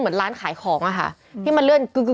เหมือนร้านขายของอะค่ะที่มันเลื่อนกึ๊ก